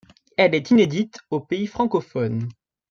Elle est inédite aux pays francophones.